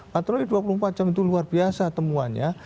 patroli dua puluh empat jam itu luar biasa temuannya